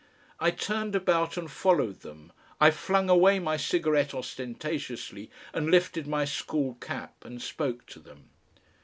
I turned about and followed them, I flung away my cigarette ostentatiously and lifted my school cap and spoke to them.